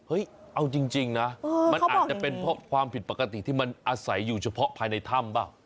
เอาจริงนะมันอาจจะเป็นเพราะความผิดปกติที่มันอาศัยอยู่เฉพาะภายในถ้ำเปล่า